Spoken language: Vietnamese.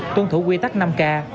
tuân thủ quy tắc năm k